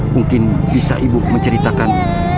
mungkin bisa ibu menceritakan